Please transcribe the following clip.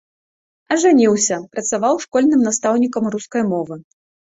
Ажаніўся, працаваў школьным настаўнікам рускай мовы.